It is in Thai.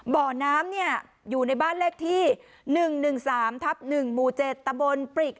บ่อน้ำเนี่ยอยู่ในบ้านเลขที่หนึ่งหนึ่งสามทับหนึ่งหมู่เจ็ดตะบนปริก